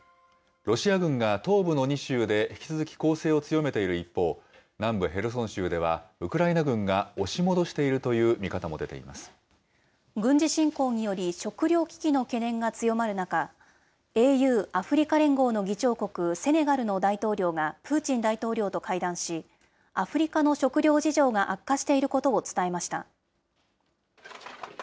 ロシア軍が東部の２州で引き続き攻勢を強めている一方、南部ヘルソン州では、ウクライナ軍が押し戻しているという見方も出ていま軍事侵攻により、食糧危機の懸念が強まる中、ＡＵ・アフリカ連合の議長国、セネガルの大統領がプーチン大統領と会談し、アフリカの食糧事情が悪化していることを伝えました。